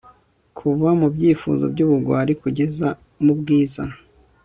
Kuva mubyifuzo byubugwari kugeza mubwiza